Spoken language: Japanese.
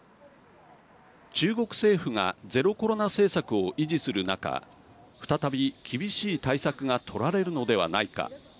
中国政府がゼロコロナ政策を維持する中再び厳しい対策が取られるのではないか。